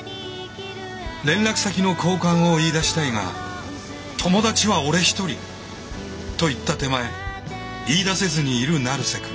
連絡先の交換を言いだしたいが「友達は俺ひとり」と言った手前言いだせずにいる成瀬くん。